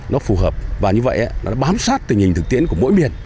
nó phù hợp và như vậy nó bám sát tình hình thực tiễn của mỗi miền